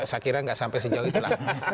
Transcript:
saya kira nggak sampai sejauh itu lah